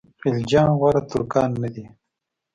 خلجیان غوز ترکان نه دي.